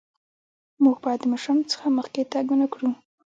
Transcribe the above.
مونږ باید د مشرانو څخه مخکې تګ ونکړو.